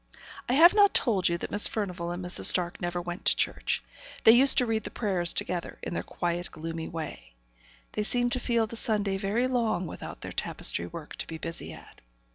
I have not told you that Miss Furnivall and Mrs. Stark never went to church; they used to read the prayers together, in their quiet, gloomy way; they seemed to feel the Sunday very long without their tapestry work to be busy at.